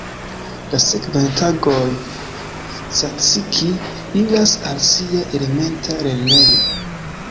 La sekvan tagon Tsatsiki iras al sia elementa lernejo.